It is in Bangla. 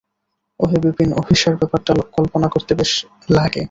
ওহে বিপিন, অভিসার ব্যাপারটা কল্পনা করতে বেশ লাগে।